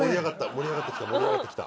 盛り上がってきた。